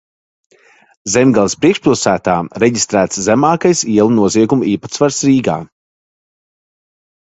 Zemgales priekšpilsētā reģistrēts zemākais ielu noziegumu īpatsvars Rīgā.